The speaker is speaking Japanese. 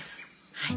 はい。